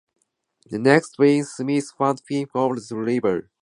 The next spring, Smith found him along the Flathead River.